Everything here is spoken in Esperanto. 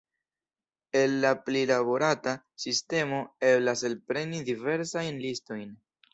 El la prilaborata sistemo eblas elpreni diversajn listojn.